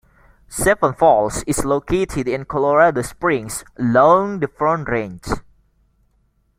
Seven Falls is located in Colorado Springs along the Front Range.